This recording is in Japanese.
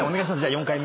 ４回目。